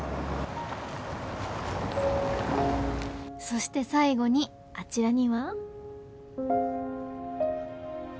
そして最後にあちらには。